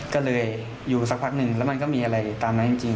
ก็เลยอยู่สักพักหนึ่งแล้วมันก็มีอะไรตามนั้นจริง